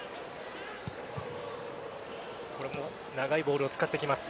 長いボールを使ってきます。